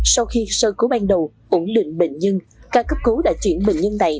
sau khi sơ cứu ban đầu ủng lịnh bệnh nhân ca cấp cứu đã chuyển bệnh nhân này